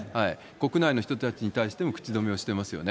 国内の人たちに対しても口止めをしてますよね。